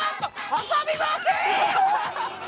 挟みませーん！！